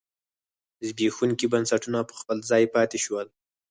زبېښونکي بنسټونه په خپل ځای پاتې شول.